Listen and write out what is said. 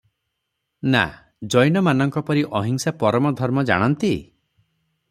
ନା, ଜୈନମାନଙ୍କ ପରି ଅହିଁସା ପରମ ଧର୍ମ ଜାଣନ୍ତି?